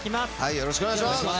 よろしくお願いします。